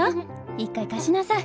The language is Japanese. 一回貸しなさい。